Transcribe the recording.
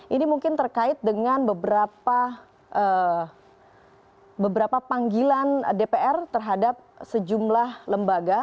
ini mungkin terkait dengan beberapa panggilan dpr terhadap sejumlah lembaga